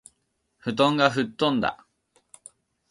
布団が吹っ飛んだ